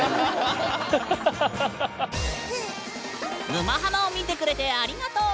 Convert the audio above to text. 「沼ハマ」を見てくれてありがとう！